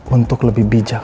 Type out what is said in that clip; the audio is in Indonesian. untuk lebih bijak